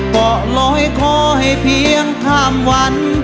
ก็หล่อยขอให้เพียงข้ามวัน